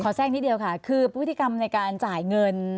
แทรกนิดเดียวค่ะคือพฤติกรรมในการจ่ายเงิน